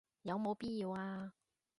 有冇必要啊